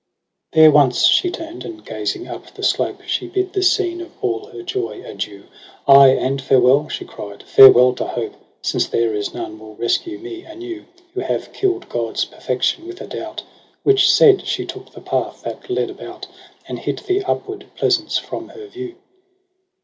7 There once she turn'd, and gazing up the slope She bid the scene of all her joy adieu ;* Ay, and farewell,' she cried, ' farewell to hope. Since there is none will rescue me anew. Who have kill'd God's perfection with a doubt.' Which said, she took the path that led about. And hid the upland pleasance from her view.